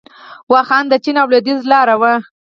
واخان د چین او لویدیځ لاره وه